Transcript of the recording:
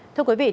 thưa quý vị